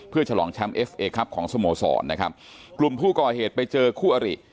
เพื่อฉลองแชมป์เอฟเอครับของสโมสรนะครับกลุ่มผู้ก่อเหตุไปเจอคู่อริ